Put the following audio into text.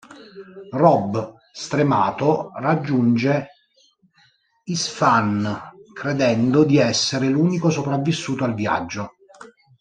Rob, stremato, raggiunge Isfahan credendo di essere l'unico sopravvissuto al viaggio.